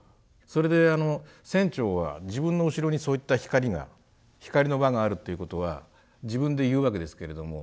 それであの船長は自分の後ろにそういった光が光の輪があるということは自分で言うわけですけれども。